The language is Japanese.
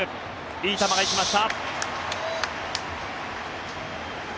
いい球が行きました。